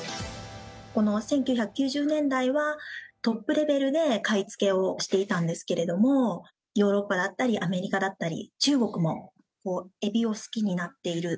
この１９９０年代は、トップレベルで買い付けをしていたんですけれども、ヨーロッパだったり、アメリカだったり、中国もエビを好きになっている。